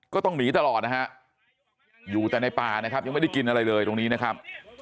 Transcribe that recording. ก็ต้องหนีตลอดนะฮะอยู่แต่ในป่านะครับยังไม่ได้กินอะไรเลยตรงนี้นะครับ